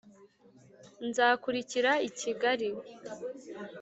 nzakurikira i kigali